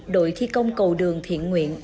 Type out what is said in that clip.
đội thi công cầu đường thiện nguyện